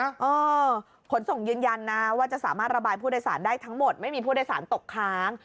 เออขนส่งยืนยันนะว่าจะสามารถระบายผู้โดยสารได้ทั้งหมดไม่มีผู้โดยสารตกค้าง